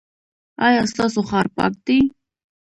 ایا ستاسو ښار پاک دی؟